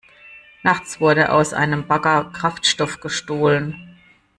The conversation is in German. Nachts wurde aus einem Bagger Kraftstoff gestohlen.